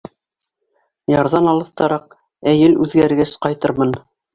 — Ярҙан алыҫтараҡ, ә ел үҙгәргәс, ҡайтырмын.